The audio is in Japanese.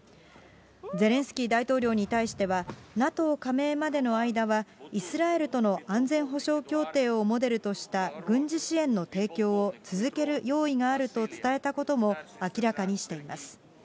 ゼレンスキー大統領に対してはＮＡＴＯ加盟までの間は、イスラエルとの安全保障協定をモデルとした軍事支援の提供を続ける用意があると伝えたことも明らかにしています。